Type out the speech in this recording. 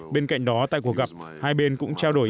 bên cạnh đó tại cuộc gặp hai bên cũng trao đổi